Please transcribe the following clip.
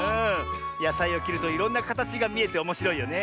やさいをきるといろんなかたちがみえておもしろいよね。